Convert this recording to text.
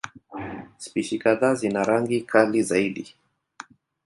Spishi kadhaa zina rangi kali zaidi.